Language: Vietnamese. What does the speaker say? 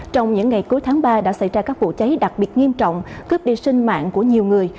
trong những ngày cuối tháng ba đã xảy ra các vụ cháy đặc biệt nghiêm trọng cướp đi sinh mạng của nhiều người